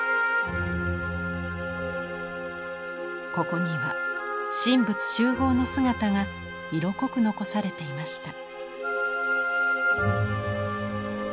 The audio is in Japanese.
ここには神仏習合の姿が色濃く残されていました。